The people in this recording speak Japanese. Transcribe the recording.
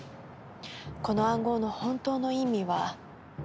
この暗号の本当の意味は。